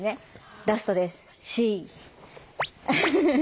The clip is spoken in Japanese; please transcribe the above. ラストです